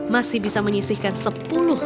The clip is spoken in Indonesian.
masih bisa menyisihkan sepuluh ribu rupiah